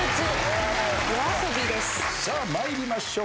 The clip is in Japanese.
さあ参りましょう。